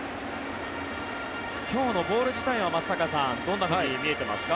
今日のボール自体は松坂さんどんなふうに見えていますか？